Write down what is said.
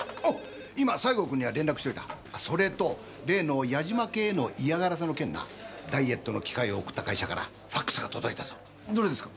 今西郷くんには連絡しといたそれと例の矢島家への嫌がらせの件なダイエットの機械を送った会社からファックスが届いたぞどれですか？